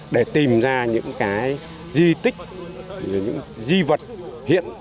để tìm ra những cái di tích những di vật hiện